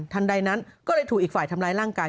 ใดนั้นก็เลยถูกอีกฝ่ายทำร้ายร่างกาย